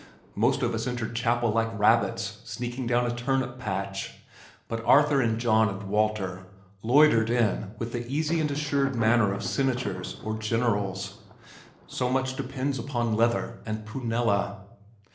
Most of us entered chapel like rabbits sneaking down a turnip patch, but Arthur and John and Walter loitered in with the easy and assured manner of Senators or Generals so much depends upon leather and prunella.